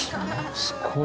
すっごい